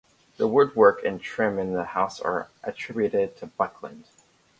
The wood work and trim in the house are attributed to Buckland.